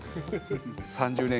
「３０年後」